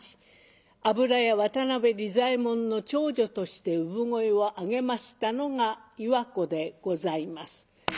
油屋渡部利左衛門の長女として産声を上げましたのが岩子でございます。